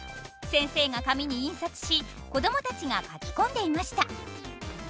先生が紙に印刷し子供たちが書き込んでいました。